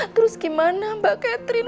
terus gimana mbak catherine